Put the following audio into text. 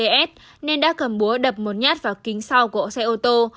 xe của anh nts nên đã cầm búa đập một nhát vào kính sau của xe ô tô